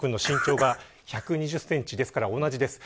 亡くなった大翔君の身長が１２０センチですから同じです。